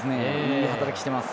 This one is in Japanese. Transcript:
いい働きしてます。